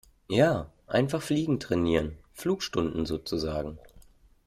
Ja, einfach fliegen trainieren. Flugstunden sozusagen.